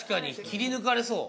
切り抜かれそう。